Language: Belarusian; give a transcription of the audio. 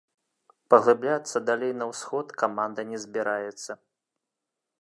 Паглыбляцца далей на ўсход каманда не збіраецца.